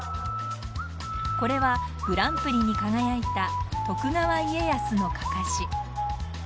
これはグランプリに輝いた徳川家康のかかし。